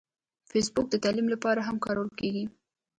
فېسبوک د تعلیم لپاره هم کارول کېږي